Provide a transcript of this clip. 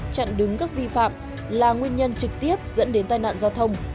chặn đứng các vi phạm là nguyên nhân trực tiếp dẫn đến tai nạn giao thông